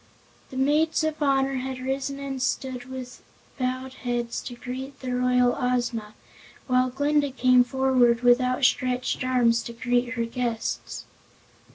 The maids of honor had risen and stood with bowed heads to greet the royal Ozma, while Glinda came forward with outstretched arms to greet her guests.